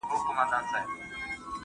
د څېړني لومړی پړاو د موضوع ټاکل دي.